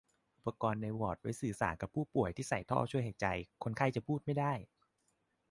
อุปกรณ์ในวอร์ดไว้สื่อสารกับผู้ป่วยที่ใส่ท่อช่วยหายใจ คนไข้จะพูดไม่ได้